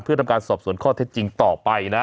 เพื่อทำการสอบสวนข้อเท็จจริงต่อไปนะ